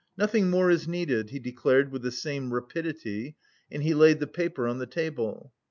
Nothing more is needed," he declared with the same rapidity and he laid the paper on the table.